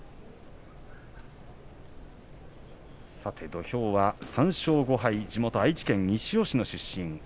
土俵は３勝５敗地元愛知県西尾市の出身。